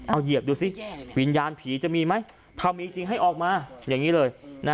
เอาเหยียบดูสิวิญญาณผีจะมีไหมถ้ามีจริงให้ออกมาอย่างนี้เลย